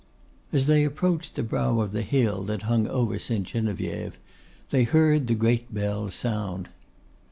As they approached the brow of the hill that hung over St. Geneviève, they heard the great bell sound.